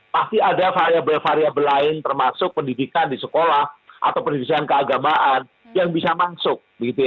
pasti ada variabel variabel lain termasuk pendidikan di sekolah atau pendidikan keagamaan yang bisa masuk